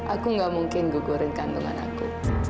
aku gak mungkin gugurin kandungan aku